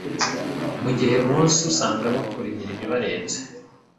mu gihe bonsa usanga bakora imirimo ibarenze